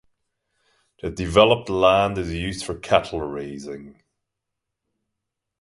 The developed land is used for cattle raising.